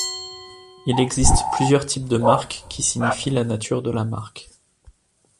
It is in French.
Il existe plusieurs types de marque qui signifient la nature de la marque.